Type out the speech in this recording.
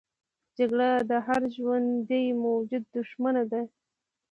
جګړه د هر ژوندي موجود دښمنه ده